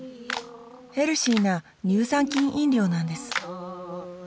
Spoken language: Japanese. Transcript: ヘルシーな乳酸菌飲料なんです